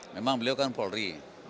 memang beliau kan polri